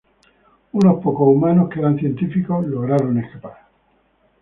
Unos pocos humanos, que eran científicos, lograron escapar.